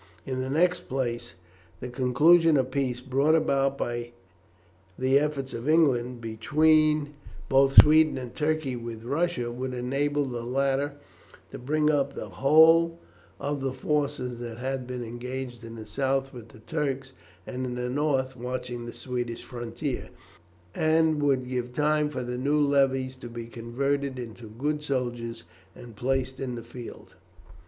In the next place, the conclusion of peace, brought about by the efforts of England, between both Sweden and Turkey with Russia, would enable the latter to bring up the whole of the forces that had been engaged in the south with the Turks, and in the north watching the Swedish frontier, and would give time for the new levies to be converted into good soldiers and placed in the field.